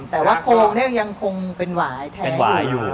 แต่ว่าโคลงนี้ยังคงเป็นหวายแท้อยู่